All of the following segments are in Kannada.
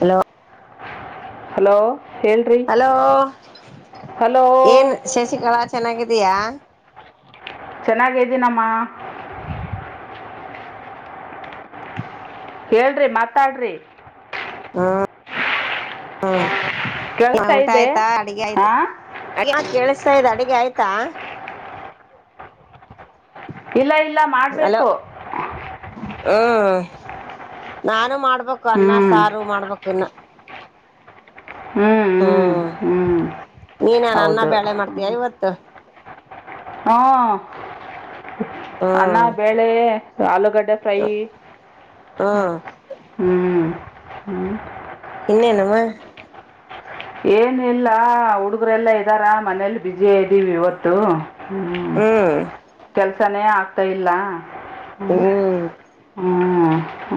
ಹಲೋ ಹಲೋ ಹೇಳ್ರಿ ಹಲೋ ಹಲೋ ಏನ್ ಶಶಿಕಲಾ ಚೆನ್ನಾಗಿದೀಯಾ ಚೆನ್ನಾಗ್ದೀನಮ್ಮ ಹೇಳ್ರಿ ಮಾತಾಡ್ರಿ ಹಾ ಹಾ ಕೇಳಿಸ್ತಾ ಊಟ ಇದೆ ಆಯ್ತಾ ಅಡಗೆ ಆಯ್ತಾ ಹಾಂ ಅಡಗೆ ಆಯ್ತಾ ಇಲ್ಲ ಇಲ್ಲ ಹಲೋ ಮಾಡ್ಬೇಕು ಹ್ಮ್ ನಾನು ಮಾಡ್ಬೇಕು ಹ್ಞೂ ಅನ್ನ ಸಾರು ಮಾಡ್ಬೇಕು ಇನ್ನ ಹ್ಞೂ ಹ್ಞೂ ಹ್ಮ್ ಹ್ಞೂ ನೀನ್ನ್ ಅನ್ನ ಹೌದು ಬ್ಯಾಳೆ ಮಾಡ್ತೀಯಾ ಇವತ್ತು ಹ್ಮ ಅನ್ನ ಹ್ಮ್ ಬೇಳೆ ಆಲೂಗಡ್ಡೆ [unintelligible] ಹ್ಮ್ ಹಾ ಹಾ ಇನ್ನೆನಮ್ಮ ಏನ ಇಲ್ಲ ಹುಡುಗರೆಲ್ಲಾ ಇದ್ದಾರ ಮನೇಲಿ ಬುಸಿಯ ಇದ್ದೀವಿ ಇವತ್ತು ಹ್ಮ್ ಕೆಲ್ಸಾನೇ ಆಗ್ತಾ ಇಲ್ಲ ಹ್ಮ್ ಹಾ ಹ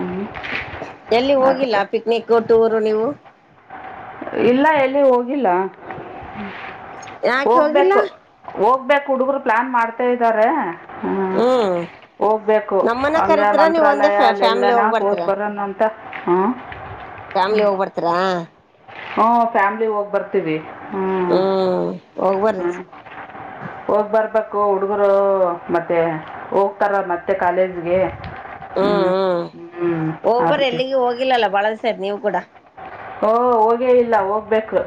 ಎಲ್ಲಿ ಹೋಗಿಲ್ಲ ಪಿಕ್ನಿಕ್ ಟೂರು ನೀವು ಇಲ್ಲ ಎಲ್ಲಿ ಹೋಗಿಲ್ಲ ಯಾಕೆ ಹೋಗಿಲ್ಲ ಹೋಗ್ಬೇಕು ಹೋಗ್ಬೇಕು ಹುಡುಗರು ಪ್ಲಾನ್ ಮಾಡ್ತಾ ಇದ್ದಾರೆ ಹ್ಮ ಹ್ಮ್ ಹೋಗ್ಬೇಕು ನಮ್ಮನ್ನ ಹಂಗ ಕರಿತೀರಾ ನೀವ್ ಒಂದೇ ಮಂತ್ರಾಲಯ ಅಲ್ಲೆಲ್ಲ ಫ್ಯಾಮಿಲಿ ಎಲ್ಲನ ಹೋಗ್ ಹೋಗ್ಬರ್ತೀರಾ ಬರಣ ಅಂತ ಹ ಫ್ಯಾಮ್ಲಿ ಹೋಗ್ಬರ್ತೀರಾ ಹ್ಮ ಫ್ಯಾಮ್ಲಿ ಹೋಗ್ ಬರ್ತವಿ ಹ್ಮ್ ಹ್ಮ್ ಹೋಗ್ಬರ್ಬ ಹುಡುಗರು ಮತ್ತೆ ಹೋಗ್ತಾರ ಮತ್ತೆ ಕಾಲೇಜ್ಗೆ ಹ್ಞೂ ಹ್ಮ್ ಹ್ಮ್ ಹ್ಞೂ ಹೋಗ್ಬರ ಅದಕ್ಕೆ ಎಲ್ಲಿಗೂ ಹೋಗಿಲ್ಲಲ್ಲ ಬಾಳ ದಿವಸ ಆಯ್ತಾ ನೀವು ಕೂಡ ಹಓ ಹೋಗೇ ಇಲ್ಲ ಹೋಗ್ಬೇಕು.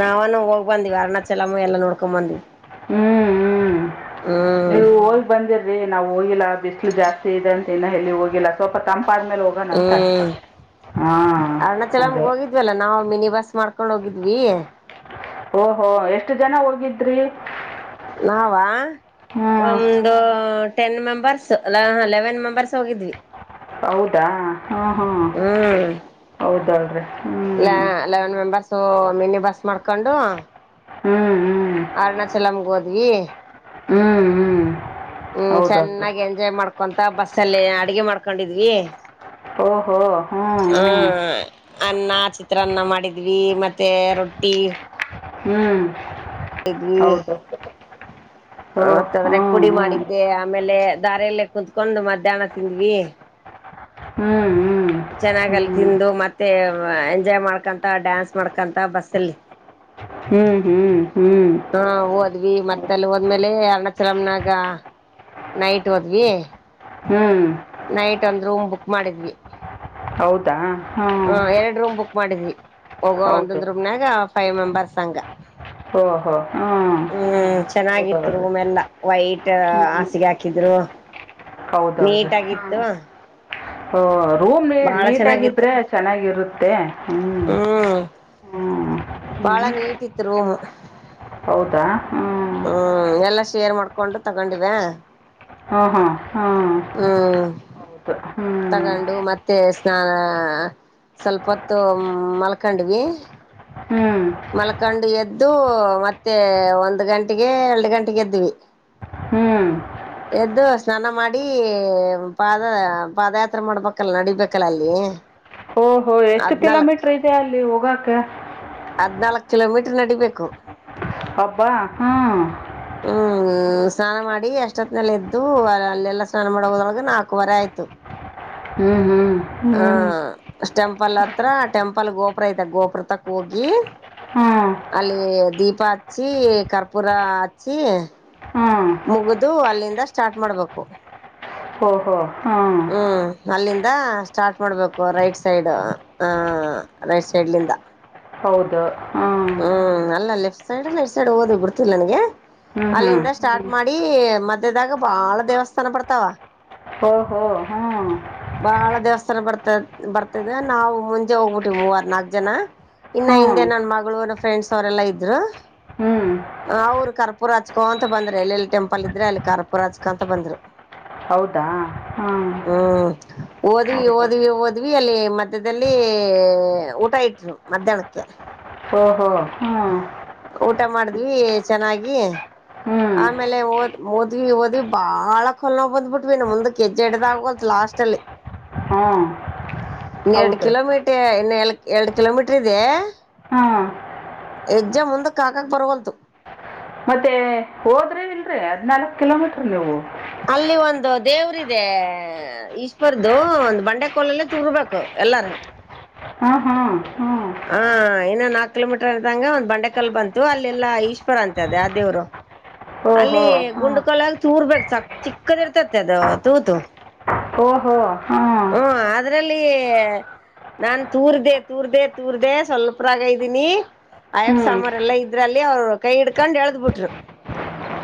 ನಾವನು ಹೋಗ್ ಬಂದ್ವಿ ಅರ್ಣಾಚಲಮ್ಮ ಎಲ್ಲ ನೋಡ್ಕೊ ಬಂದ್ವಿ. ಹ್ಮ್ ಹ್ಮ್ ನೀವು ಹೋಗಿ ಬಂದಿರ ನಾ ಹೋಗಿಲ್ಲ ಬಿಸ್ಲು ಜಾಸ್ತಿ ಇದೆ ಅಂತ ಇನ್ ಎಲ್ಲಿ ಹೋಗಿಲ್ಲ. ಸ್ವಲ್ಪ ತಂಪಾದ್ಮೇಲೆ ಹೋಗಣಂತ ಹ್ಮ್ ಹಾ ಅರುಣಾಚಲಮ್ಗೆ ಅದೇ. ಹೋಗಿದ್ವಲ್ಲ ನಾವು ಮಿನಿ ಬಸ್ ಮಾಡ್ಕೊಂಡ್ ಹೋಗಿದ್ವಿ. ಓಹೋ ಎಷ್ಟು ಜನ ಹೋಗಿದ್ರಿ ನಾವ ಹ್ಞೂ ಒಂದು ಟೆನ್ ಮೆಂಬರ್ಸ್ ಲೆವೆನ್ ಮೆಂಬರ್ಸ್ ಹೋಗಿದ್ವಿ ಹೌದಾ ಹಾ ಹ್ಮ ಹ್ಮ್ ಹೌದಲ್ರಿ ಹ್ಮ್ ಸೊ ಮಿನಿ ಬಸ್ ಮಾಡ್ಕೊಂಡು ಹ್ಮ್ ಹ್ಮ್ ಅ ಹ್ಮ್ ಹ್ಮ್ ಹ್ಮ್ ಚೆನ್ನಾಗಿ ಎಂಜಾಯ್ ಮಾಡ್ಕೊಂತ ಬಸ್ಸಲ್ಲಿ ಅಡಗೆ ಮಾಡ್ಕೊಂಡಿದ್ವಿ. ಓಹೋ ಹಾ ಹ್ಞೂ ಹ್ಞೂ ಅನ್ನ ಚಿತ್ರಾನ್ನ ಮಾಡಿದ್ವಿ ಮತ್ತೆ ರೊಟ್ಟಿ ಹ್ಮ್ ಹೌದು ಓ ಮತ್ ಅದ್ರಾಗ ಹ್ಞೂ ಪುಡಿ ಮಾಡಿದ್ದೆ ಆಮೇಲೆ ದಾರೀ ಎಲ್ಲೇ ಕುತ್ಕೊಂಡು ಮಧ್ಯಾಹ್ನ ತಿಂದ್ವಿ ಹ್ಞೂ ಹ್ಞೂ ಹ್ಞೂ ಚೆನ್ನಾಗಲ್ಲಿ ತಿಂದು ಮತ್ತೆ ಎಂಜಾಯ್ ಮಾಡ್ಕೊಂತ ಡ್ಯಾನ್ಸ್ ಮಾಡ್ಕೊಂತ ಬಸ್ಸಲ್ಲಿ ಹ್ಮ್ ಹ್ಮ್ ಹ್ಮ್ ಹಾ ಹೋದ್ವಿ ಮತ್ತ ಅಲ್ಲಿ ಹೊದ್ಮೇಲೆ ಅರ್ನಾಚರಮ್ನಾಗ ನೈಟ್ ಹೋದ್ವಿ ಹ್ಮ್ ನೈಟ್ ಒಂದ್ ರೂಮ್ ಬುಕ್ ಮಾಡಿದ್ವಿ. ಹೌದಾ ಹ ಹ್ಞೂ ಎರಡು ರೂಮ್ ಬುಕ್ ಮಾಡಿದ್ವಿ ಹೋಗುವ ಹೌದು ಒಂದೊಂದ್ ರೂಮ್ನಾಗ ಫೈವ್ ಮೆಂಬರ್ಸ್ ಹಂಗ ಓಹೋ ಹ್ಮ್ ಹ್ಮ್ ಚೆನ್ನಾಗಿತ್ತು ಹೌದವ್ರಿ ರೂಮ ಎಲ್ಲ ವೈಟ್ ಹ್ಮ್ ಹಾಸಿಗೆ ಹಾಕಿದರ. ನೀಟಗಿತ್ತು ಹ ರೂಮ್ ನೀ ನೀಟಾಗಿದ್ರೆ ಚೆನ್ನಾಗಿರುತ್ತೆ ಹ್ಮ್ ಹ್ಮ್ ಬಾಳ ಹ್ಮ್ ನೀಟ್ ಇತ್ತು ರೂಮ ಹೌದಾ ಹ್ಮ್ ಎಲ್ಲಾ ಶೇರ್ ಮಾಡ್ಕೊಂಡು ತಗೊಂಡಿವೆ ಹ್ಮ ಹಾ ಹ್ಮ್ ಹ್ಮ್ ಹೌದು ಹ್ಮ್ ನಾ ಸ್ವಲ್ಪೊತ್ತು ಮಲ್ಕಂಡ್ವಿ ಹ್ಮ್ ಮಲ್ಕೊಂಡು ಎದ್ದು ಮತ್ತೆ ಒಂದ್ ಗಂಟೆಗೆ ಎರಡು ಗಂಟೆಗೆ ಎದ್ವಿ ಹ್ಮ್ ಎದ್ದು ಸ್ನಾನ ಮಾಡಿ ಪಾದ ಪಾದಯಾತ್ರೆ ಮಾಡ್ಬೇಕಲ್ಲ ನಡಿಬೇಕಲ್ಲ ಅಲ್ಲಿ ಹ ಓಹೋ ಎಷ್ಟು ಕಿಲೋಮೀಟರ್ ಇದೆ ಅಲ್ಲಿ ಹೋಗಕ ಹದ್ನಾಲ್ಕ್ ಕಿಲೋಮೀಟರ್ ನಡಿಬೇಕು. ಹಬ್ಬಾ ಹ್ಮ್ ಹ್ಮ್ ಸ್ನಾನ ಮಾಡಿ ಎಷ್ಟೊತ್ತನೆಲ್ಲ ಎದ್ದು ಅಲ್ಲೆಲ್ಲಾ ಸ್ನಾನ ಮಾಡ ಹದೊಳಗ ನಾಲ್ಕುವರೆ ಆಯ್ತು. ಹ್ಮ್ ಹ್ಮ್ ಹಾ ಹ್ಮ್ ಟೆಂಪಲ್ ಹತ್ರ ಟೆಂಪಲ್ ಗೋಪುರ ಐತೆ ಗೋಪುರ ತಕ್ ಹೋಗಿ ಹ್ಮ್ ಅಲ್ಲಿ ದೀಪ ಹಚ್ಚಿ ಕರ್ಪೂರ ಹಚ್ಚಿ ಹ್ಮ್ ಮುಗ್ದು ಅಲ್ಲಿಂದ ಸ್ಟಾರ್ಟ್ ಮಾಡ್ಬೇಕು ಓಹೋ ಹಾ ಹ್ಮ್ ಅಲ್ಲಿಂದ ಸ್ಟಾರ್ಟ್ ಮಾಡ್ಬೇಕು ರೈಟ್ ಸೈಡ್ ಆ ಆ ರೈಟ್ ಸೈಡ್ ಲಿಂದ ಹೌದು ಹ್ಮ್ ಹ್ಮ್ ಅಲ್ಲ ಲೆಫ್ಟ್ ಸೈಡ್ ರೈಟ್ ಸೈಡ್ ಓದ ಬಿಡ್ತಿಿಲ್ಲ ನನ್ಗೆ ಹ್ಮ್ ಹ್ಮ್ ಅಲ್ಲಿಂದ ಸ್ಟಾರ್ಟ್ ಹ್ಮ್ ಮಾಡಿ ಮಧ್ಯದಾಗ ಬಾಳ ದೇವಸ್ಥಾನ ಬರ್ತಾವ ಡ್ತಾವ ಹೋ ಹೊ ಹ್ಮ್ ಬಾಳ ದೇವಸ್ಥಾನ ಬರ್ತ ಬರ್ತದೆ ನಾವು ಮುಂಜೆ ಹೋಗ್ಬಿಟ್ಟಿವವಿ ಮೂವರ್ ನಾಕ್ ಜನ ಇನ್ನ ಹ್ಞೂ ಹಿಂದೆ ನನ್ ಮಗಳುರ ಫ್ರೆಂಡ್ಸ್ ಅವರೆಲ್ಲಾ ಇದರು ಹ್ಞೂ ಅವ್ರು ಕರ್ಪೂರ ಹಚ್ಕೋ ಅಂತ ಬಂದ್ರರು ಎಲ್ಲಿೆಲ್ಲಿ ಟೆಂಪಲ್ ಇದ್ರೆ ಅಲ್ಲಿ ಕರ್ಪೂರ ಹಚ್ಕೊಂತ ಬಂದ್ರು ಹೌದಾ ಹಾ ಹ್ಮ್ ಓದ್ವಿ ಓದ್ವಿ ಒದ್ ದ್ವಿ ಅಲ್ಲಿ ಮಧ್ಯ್ಯದಲ್ಲಿ ಊಟ ಇಟ್ರು ಮಧ್ಯಾಹ್ನಕ್ಕೆ ಓ ಹೋ ಹ್ಮ್ ಊಟ ಮಾಡಿದ್ವಿ ಚೆನ್ನಾಗಿ ಹ್ಞೂ ಆಮೇಲೆ ಒದ್ ಓದ್ವಿ ಓದ್ವಿ ಬಾಳ ಕಲ್ನ ಬಂದ್ಬ ಬಿಟ್ವಿ ನ ಮುಂದ ಹೆಜ್ಜೆ ಎಡ್ದ ಆಗೋಲ್ತ್ ಲಾಸ್ಟ್ ಅಲ್ಲಿ ಹಾ ಇನ್ನ ಎರಡು ಕಿಲೋಮೀಟರ್ ಇನ್ನ ಎ ಎರಡು ಕಿಲೋಮೀಟರ್ ಇದೆ ಹಾಂ ಹೆಜ್ಜೆ ಮುಂದಕ್ಕೆ ಹಾಕಕ್ ಬರವಲ್ದು ಮತ್ತೆ ಹೋದ್ರೆ ಇಲ್ರಿ ಹದ್ನಾಾಲ್ಕಕ್ ಕಿಲೋಮೀಟರ್ ನೀವು ಅಲ್ಲಿ ಒಂದು ದೇವ್ರಿದೆ ಈಶ್ವರದುು ಒಂದು ಬಂಡೆ ಕೋಲಲ್ಲ ತುರ್ಬೇಕು ಎಲ್ಲು ಹಾ ಹಾ ಹ್ಮ ಹಾ ಇನ್ನ ನಾಕ್ ಕಿಲೋಮೀಟರ್ ಅ್ದಂಗ ಒಂದ್ ಬಂಡೆಕಲ್ ಬಂತು ಅಲ್ಲೆಲ್ಲಾ ಈಶ್ವರ ಅಂತ ಅದ ಯ ದೇವ್ರು ಅಲ್ಲಿ ಓಹೋ ಹಾಂ ಗುಂಡು ಕಲ್ಾಗ ತೂರ್ಬೇಕು ಚಕ್ ಚಿಕ್ಕದ ಇರ್ತತಿ ಅದು ತೂತು ಓಹೋ ಹ್ಮ್ ಲ್ಲಿ ನಾು ತೂರ್್ದೆ ತೂರ್್ದೆ ತೂರ್್ದ ಸ್ವಲ್ಪ ರಾಗ ಇದ್ದೀನಿ ಅಯ್ಯಪ್ ಹ್ಞೂ ಸಾಮಾರ್ ಎಲ್ಲಾ ಇದ್ರಲ್ಲಿ ಅವ್ರು ಕೈ ಹಿಡ್ಕೊಂಡ್ ಎಳ್ದ್ ಬಿಿಟ್ರು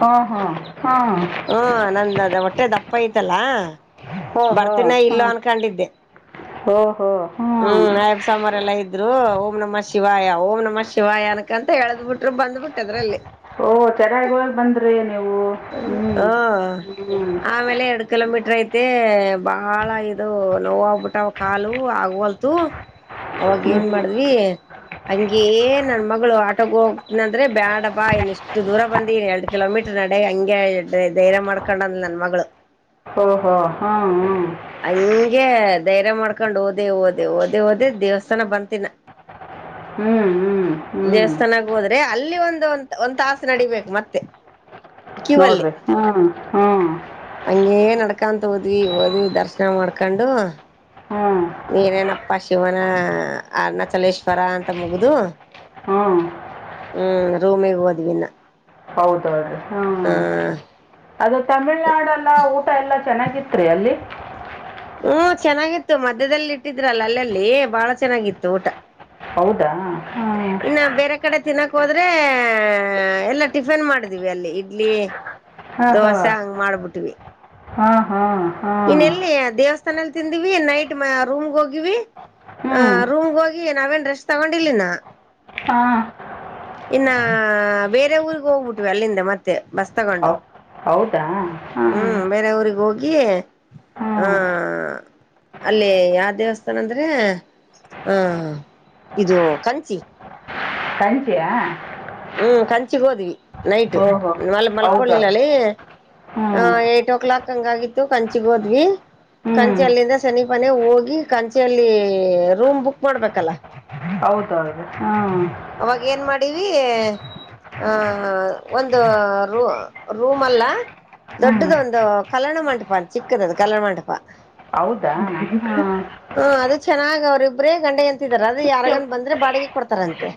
ಹಾ ಹಾ ಹ್ಮ ನಂದದ ಹೊಟ್ಟೆ ದಪ್ಪ ಐತಲ್ಲಾ ಬರ್ತೀನ ಇಲ್ಲೋ ಅನ್ಕೊಂಡಿದ್ದೆ ಹಓ ಹ್ಮ್ ನಯಬ್ ಸಂಬಾರ್ ಎಲ್ಲಾ ಇದ್ರು ಓಂ ನಮ ಶಿವಾಯ ಓಂ ನಮ ಶಿವಾಯ ಅನಕ ಅಂತ ಹೇಳದ್ ಬಿಟರು ಬಂದ್ಬಿಟ್ಟದ್ರಲ್ಲಿ ಓ ಚೆನ್ನಾಗಿ ಹೋಗು ಬಂದ್ರಿ ನೀವು ಹ ಹ್ಮ್ ಹ್ಮ್ ಬಿೈತೆ ಬಹಳ ಇದು ನೋಾಗಬಿಟ್ಟಾವ ಕಾಲು ಆಗವಲ್ತು ಅವಾಗ ಏನ್ ಹ್ಞೂ ಮಾಡ್ವಿ ಹಂಗೇ ನನ್ ಮಗಳು ಆಟೋೋಗ ಹೋಗ್ತನ ಅಂದ್ರೆ ಬ್ಯಾಡ ಬಾ ಇನ್ನ ಇಷ್ಟು ದೂರ ಬಂದಿ ಇನ್ ಎರಡ್ ಕಿಲೋಮೀಟರ್ ನಡ ಅ ಹಂಗೆ ಧೈರ್ಯ ಮಾಡ್ಕೊಂಡಂದ್ ನನ್ ಮಗಳು ಓಹೋ ಹಾಂ ಅಂಗ ಧೈರ್ಯ ಮಾಡ್ಕೊಂಡ್ ಓದೆೇ ಓದೆೇ ಓದೆೇ ಓದೇ ದೇವಸ್ಥಾನ ಬನ್ತಿನ ಹ್ಮ್ ಹ್ಮ್ ದೇವಸ್ಥಾನಾಗ ಹೋದ್ರೆ ಅಲ್ಲಿ ಒಂದು ಒ ಒಂದ ತಾಸ ನಡಿೀಬೇಕು ಮತ್ತೆ ಕ್ಯೂ ಅಲ್ಲೇ ನೋಡಿರಿ ಹ್ಞೂ ಹ್ಞೂ ಅಂಗೇ ನಕ್ಕ ಅಕಂತ ಹೋದ್ವಿ ಓದ್ವಿ ದರ್ಶನ ಮಾಡ್ಕೊಂಡು ಹ್ಞೂ ನೀನೇನಪ್ಪಾ ಶಿವನ ಅನ್ನಚಲೇಶ್ವರ ಅಂತ ಮುಗ್ದ ಹ್ಮ ಹ್ಮ್ ರೂಮಿಗೆ ಹೋದ್ವಿಿನ ಹೌದೌದು ಹ್ಮ ಅದು ತಮಿಳ್ನಾಡುಲ್ಲ ಊಟ ಎಲ್ಲ ಚೆನ್ನಾಗಿತ್ರಿ ಅಲ್ಲಿ. ಹ್ಮ ಚೆನ್ನಾಗಿತ್ತು ಮಧ್ಯದಲ್ಲಿ ಇಟ್ಟಿದ್ರಲ್ಲ ಅಲ್ಲಲ್ಲಿ ಬಾಳ ಚೆನ್ನಾಗಿತ್ತು ಊಟ. ಹೌದಾ. ಹಾಂ ಇನ್ನ ಬೇರೆ ಕಡೆ. ತಿನ್ನಕ್ೋದ್ರೆ ಎಲ್ಲಾ ಟಿಫನ್ ಮಾಡಿದ್ವಿ ಅಲ್ಲಿ ಇಡ್ಲಿ. ದೋಸೆ ಹಂಗ ಮಾಡ್ಬಿಟ್ವಿ. ಹಾ ಹಾ ಇನ್ ಎಲ್ಲಿ ದೇವಸ್ಥಾನಲ್ ತಿಂದಿವಿ ನೈಟ್ ರೂಮ್ಗೆ ಹೋಗಿವಿ. ಆ ಹ್ಮ್ ರೂಮ್ಗೆ ಹೋಗಿ ನಾವೇನ್ ರೆಶ್ ತಗೊಂಡಿಿಲ್ಲ. ಹಾ ಇನ್ನ ಬೇರೆ ಊರ್ಗ್ ಹೋಗ್ಬಿಟ್ವಿ ಅಲ್ಲಿಂದ ಮತ್ತೆ. ಬಸ್ ತಗೊಂಡು ಹೌದಾ ಹಾಂ ಹ್ಮ್ ಹ್ಞೂ ಬೇರೆ ಊಿಗೆ ಹೋಗಿ. ಹಾ ಅಲ್ಲಿ ಯಾರ್ ದೇವಸ್ಥಾನ ಅಂದ್ರೆ. ಹಾ ಇದು ಕಂಚಿ. ಕಂಚಿಯ. ಹ್ಮ್ ಕಂಚಿ ಹೋದ್ವಿ. ನೈಟ ಓಹೋ ಮ ಹೌದಾ ಮಲ್ಕೋಳುಲ್ಲಿ ಹ್ಞೂ ಎ ಏಟ್ ಓ ಕ್ಲಾಕ್. ಹಂಗಾಗಿತ್ತು ಕಂಚಿಗ್ ಹೋದ್ವಿ. ಹ್ಞೂ ಕಂಚ ಅಲ್ಲಿಂದ ಶನಿ ಪನೆ ಹೋಗಿ ಕಂಚಲ್ಲಿ ರೂಮ್ ಬುಕ್ ಮಾಡ್ಬೇಕಲ್ಲ. ಹೌದೌದು ಹ್ಮ. ಅವಾಗ ಏನ್ ಮಾಡಿವಿ. ಆ ಒಂದು ರೂ ರೂಮ್ ಅಲ್ಲ. ಹ್ಞೂ ದೊಡ್ಡದ ಒಂದು ಕಲ್ಲಣ ಮಂಟಪ ಅಂತ ಚಿಕ್ಕದ ಅದು ಕಲ್ಲಾಣ ಮಂಟಪ. ಹೌದಾ. ಅವ್ರರಿಬ್ಬ್ರೇ ಗಂಡ ಹೆಂಡತಿ ಇದ್ದಾರೆ ಅದು ಯರಗನ್ ಬಂದ್ರೆ ಬಾಡಿಗೆ ಕೊಡ್ತಾರಂತೆ.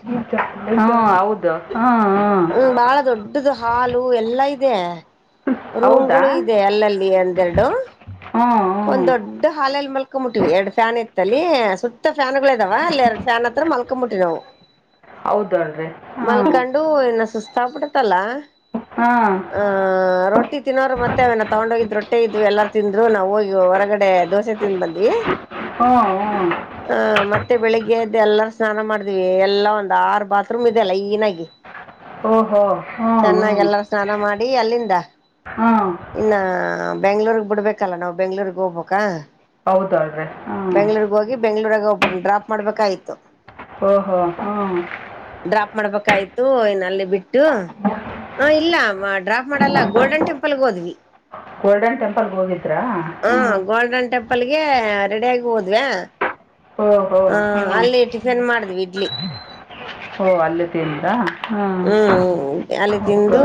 ಹಾ ಹೌದು ಹಾ ಹಾ. ಹ್ಮ್ ಬಾಳ ದೊಡ್ಡದು ಹಾಲು ಎಲ್ಲಾ ಇದೆ ಹೌದಾ ರೂಮ್ಗಳು ಇದೆ ಅಲ್ಲಲ್ಲಿ ಎಂದೆರಡು. ಹ್ಞೂ ಒಂದ್ ಹ್ಞೂ ದೊಡ್ಡ ಹಾಲಲ್ ಮಲ್ ಮಲ್ಕ ಮುಟ್ಟಿವವಿ ಎರಡ್ ಫ್ಯಾನ್ ಇತ್ತಲ್ಲಿ ಸುತ್ತ ಫ್ಯಾನ್ ಗಳು ಇದಾವ ಅಲ್ಲಿ ಎರಡ್ ಫ್ಯಾನ್ ಹತ್ರ ಮಲ್ಕೊ ಮುಟ್ಟಿವವಿ ನಾವು. ಹೌದಲ್ರಿ ಹ್ಞೂ ಮಲ್ಕೊಂಡು ಇನ ಸುಸ್ತ ಸಪಿಡತಲ್ಲ ಹಾಂ ಆ ರೊ. ತಿ ತಿನ್ನೋರು ಮತ್ತೆ ಅವನ ತಗೊಂಡ ಹೋಗಿದ್ ರೊಟ್ಟೆ ಇದ್ ಎಲ್ಲಾರ ತಿಂದ್ರು ನಾವವು ಹೋಗಿ ಹೊರಗಡೆ ದೋಸೆ ತಿಿಂದ ಬಂದ್ವಿ. ಹ್ಮ ಹ್ಮ ಹ ಮತ್ತೆ ಬೆಳಿಗ್ಗೆ ಎದ್ದು ಎಲ್ಲಾರ ಸ್ನಾನ ಮಾಡ್ದ್ವಿ ಎಲ್ಲಾ ಒಂದ್ ಆರು ಬಾತ್ರೂಮ್ ಇದೆ ಲೈನ್ನಾಗಿ. ಓಹೋ ಹ್ಞೂ ಚೆನ್ನಾಗಿ ಹ್ಞೂ ಎಲ್ಲಾರ ಸ್ನಾನ ಮಾಡಿ ಅಲ್ಲಿಂದ. ಹ್ಞೂ ಇನ್ನ ಬೆಂಗ್ಳೂರ್ಗ್ ಬಿಡ್ಬೇಕಲ್ಲ ನಾವವು ಬೆಂಗ್ಳೂರ್ಗ್ ಹೋಗ್ ಬೇಕಾ. ಹೌದಾಲ್ ರೀ ಹಾ. ಬೆಂಗಳೂರಾಗ ಒಬ್ಬರು ಡ್ರಾಪ್ ಮಾಡ್ಬೇಕಾಯ್ತು. ಓಹೋ ಹ್ಮ. ಡ್ರಾಪ್ ಮಾಡ್ಬೇಕಾಯ್ತು ನಲ್ಲಿ ಬಿಟ್ಟು. ಹಾ ಇಲ್ಲ ಡ್ರಾಪ್ ಮಾಡಲ್ಲ ಗೋಲ್ಡನ್ ಟೆಂಪಲ್ಗೆ ಹೋದ್ವಿ. ಗೋಲ್ಡನ್ ಟೆಂಪಲ್ಗೆ ಹೋಗಿದ್ರಾ ಹ ಹ್ಞೂ ಗೋಲ್ಡನ್ ಟೆಂಪಲ್ಗೆ. ರೆಡಿ ಆಗ ಹೋದ್ವಾ. ಓಹೋ ಹಾ ಹ್ಞೂ ಅಲ್ಲಿ ಟಿಫಿನ್ ಮಾಡಿದ್ವಿ ಇಡ್ಲಿ. ಓ ಅಲ್ಲಿ ತಿಂದ್ರ. ಹ್ಮ್ ಅಲ್ಲಿ ತಿಂದು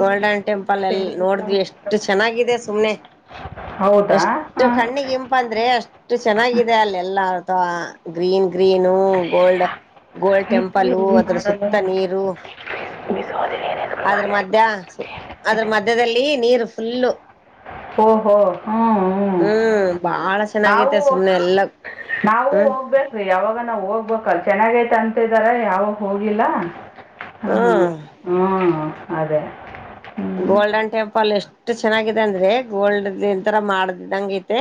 ಗೋಲ್ಡನ್ ಟೆಂಪಲ್ ಎಲ್ ನೋಡ್ದ್ವಿ ಎಷ್ಟು ಚೆನ್ನಾಗಿ. ಸುಮ್ನೆ ಹೌದಾ ಎಷ್ಟು ಹಾಂ ಕಣ್ಣಿಗೆ ಇಂಪ ಅಂದ್ರೆ ಅಷ್ಟು. ಇಷ್ಟು ಚೆನ್ನಾಗಿದೆ ಅಲ್ಲ ಎಲ್ಲ ಅತವಾ green green gold. Gold temple ಅದ್ರ ಸುತ್ತ ನೀರು ಅದ್ರ ಮಧ್ಯ ಅದ್ರ ಮಧ್ಯದಲ್ಲಿ ನೀರು ಫುಲ್ಲು ಓ ಹೋ ಹ್ಮ್ ಹ್ಮ ಹ್ಮ್ ಬಾಳ ಚೆನ್ನಾಗೈತೆ ನಾವು ಸುಮ್ನೆ ಎಲ್ಲ ನಾವೂ ಹ್ಮ್ ಹೋಗ್ಬೇಕ್ರೀ ಯಾವಾಗ ನಾವು ಹೋಗ್ಬೇಕು ಚೆನ್ನಾಗೈತಿ ಅಂತಿದಾರ ಯಾವಾಗ ಹೋಗಿಲ್ಲ ಹ್ಮ್ ಹ್ಮ್ ಅದೇ ಹ್ಞೂ ಗೋಲ್ಡನ್ ಟೆಂಪಲ್ ಎಷ್ಟು ಚೆನ್ನಾಗಿದೆ ಅಂದ್ರೆ ಗೋಲ್ಡ್ ಇಂತರ ಮಾಡ್ದಿದ್ದಂಗ ಐತೆ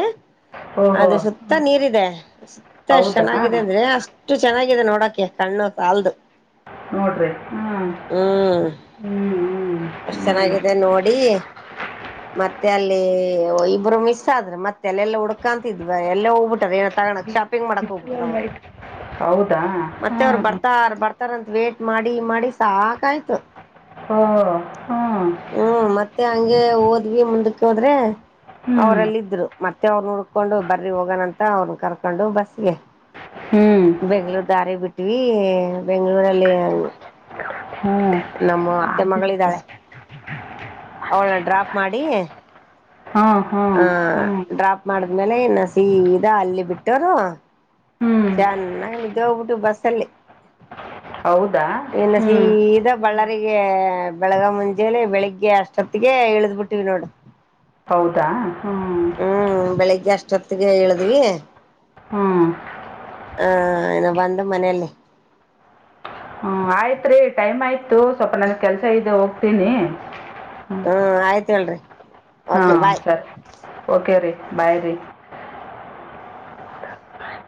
ಓಹೋ ಅದು ಸುತ್ತ ಹ್ಮ್. ನೀರ್ ಇದೆ ಸುತ್ತ ಎಷ್ಟ ಹೌದಾ ಚೆನ್ನಾಗಿದೆ ಅಂದ್ರೆ ಅಷ್ಟು ಚೆನ್ನ ಹಿದೆ ನೋಡಕೆ ಕಣ್ಣು ಸಲ್ದು ನೋಡ್ರಿ ಹ್ಮ್ ಅಷ್ಟ ಚೆನ್ನಾಗಿದೆ ನೋಡಿ ಮತ್ತೆ ಅಲ್ಲಿ ಇಬ್ರು ಮಿಸ್ ಆದ್ರೆ ಮತ್ತೆ ಅಲ್ಲೆಲ್ಲ ಹುಡ್ಕಂತಿದ್ವಿ ಎಲ್ಲ ಹೋಗ್ಬಿಟಾರ ತಗಕ್ ಹ್ಞೂ ಶಾಪಿಂಗ್ ಮಾಡಕ್ ಹೋಗ್ಬಿಟ್ರ ಅವ್ರು ಹೌದಾ ಮತ್ತೆ ಅವ್ರು ಹ್ಞೂ ಬರ್ತಾರ ಬರ್ತಾರಂತ ವೇಟ್ ಮಾಡಿ ಮಾಡಿ ಸಾಕಯ್ತು ಓ ಹ್ಞೂ ಹ್ಮ ಮತ್ತೆ ಹಂಗೆ ಹೋದ್ವಿ ಮುಂದಕ್ಕೆ ಹೋದ್ರೆ ಹ್ಞೂ ಅವ್ರಲ್ಲ ಇದ್ರು ಮತ್ತೆ ಅವ್ನ್ ಹುಡ್ಕೊಂಡು ಬರ್ರಿ ಹೋಗೋಣಂತ ಅವ್ರನ್ನ ಕರ್ಕೊಂಡು ಬಿಸ್ಗ್ ಹ್ಮ್ ದಾರಿ ಬಿಟ್ವಿ ಬೆಂಗಳೂರು ಅಲ್ಲಿ ಹ್ಞೂ ನಮ್ಮ ಅತ್ತೆ ಆಯ್ತು ಹ್ಞೂ ಮಗಳಿದ್ದಾಳೆ ಅವಳ ಡ್ರಾಪ್ ಮಾಡಿ ಹ್ಮ ಹ್ಮ ಆ ಹ್ಮ್ ಡ್ರಾಪ್ ಮಾಡಿದ್ಮೇಲೆ ಇನ್ನು ಸೀದಾ ಅಲ್ಲಿ ಬಿಟ್ಟೋರು ಹ್ಞೂ ಚೆನ್ನಾಗಿ ನಿದ್ದೆ ಹೋಗ್ಬಿಟೀವಿ ಬಸ್ಸಲ್ಲಿ ಹೌದಾ ಇನ್ನ ಹ್ಮ್ ಸೀದಾ ಬಳ್ಳಾರಿಗೆ ಬೆಳಗ ಮುಂಜೇಲಿ ಬೆಳಿಗ್ಗೆ ಅಷ್ಟೊತ್ತಿಗೆ ಇಳ್ದ್ ಬಿಟ್ಟಿವಿ ನೋಡು ಹೌದಾ ಹ್ಮ್ ಜೊತೆಗೆ ಇಳಿದ್ವಿ ಹ್ಮ್ ಹಾ ಬಂದ ಮನೆಯಲ್ಲಿ ಆಯ್ತ್ ರೀ ಟೈಮ್ ಆಯ್ತು ಸ್ವಲ್ಪ ನನ್ ಕೆಲ್ಸ ಐತೆ ಹೋಗ್ತೀನಿ ಹ್ಮ್ ಆಯ್ತ್ ಹೇಳರಿ ಹಾಂ ಸರಿ ಓಕೆ ರೀ ಬಾಯ್ ರಿ